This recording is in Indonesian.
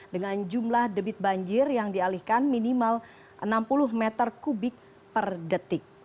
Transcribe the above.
dengan jumlah debit banjir yang dialihkan minimal enam puluh meter kubik per detik